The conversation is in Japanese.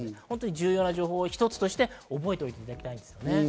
重要な情報を一つとして覚えておいていただきたいです。